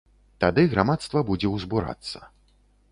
Тады грамадства будзе ўзбурацца.